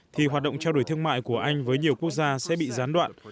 thì hoạt động trao đổi thương mại của anh với nhiều quốc gia sẽ bị gián đoạn